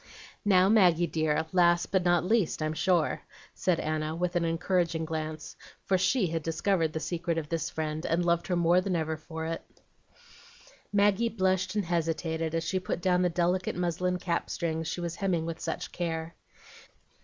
"Now, Maggie, dear, last but not least, I'm sure," said Anna, with an encouraging glance, for SHE had discovered the secret of this friend, and loved her more than ever for it. Maggie blushed and hesitated, as she put down the delicate muslin cap strings she was hemming with such care.